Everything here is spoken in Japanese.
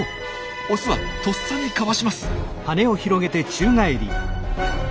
オスはとっさにかわします。